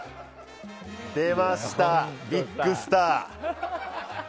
出ました、ビッグスター。